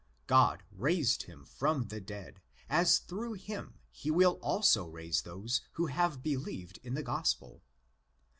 God raised him from the dead, as through him he will also raise those who have believed in the Gospel.